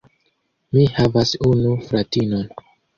Mi havas unu fratinon.